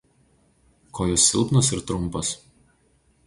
Kojos silpnos ir trumpos.